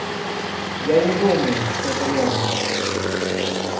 Я не думаю, что это верно.